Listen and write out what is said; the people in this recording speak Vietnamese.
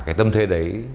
cái tâm thế đấy